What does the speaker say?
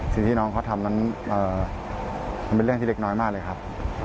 สิ่งที่น้องเขาทำนั้นมันเป็นเรื่องที่เล็กน้อยมากเลยครับ